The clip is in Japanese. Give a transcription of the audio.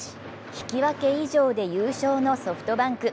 引き分け以上で優勝のソフトバンク。